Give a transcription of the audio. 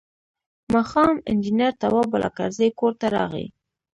ماښام انجنیر تواب بالاکرزی کور ته راغی.